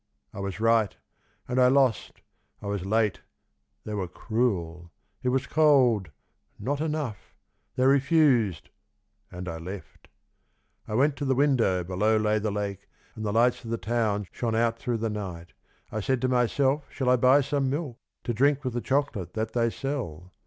I was right ... and I lost ... I was late ... they || were cruel ...... It was cold ... not enough ... they refused ... and I left ... I went to the window, below lay the lake And the lights of the town shone out through the night. F 8i A Siejiss Rhapsody. I said to myself, shall I buy some milk, To drink with the chocolate that they sell